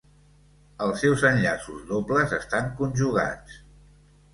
Els seus enllaços dobles estan conjugats.